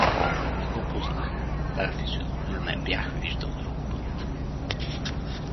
Не го познах; тая физиономия не бях виждал друг път.